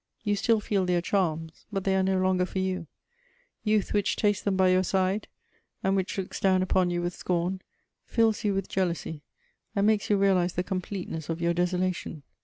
You still feel their charms, but they are no longer for you: youth which tastes them by your side, and which looks down upon you with scorn, fills you with jealousy and makes you realize the completeness of your desolation.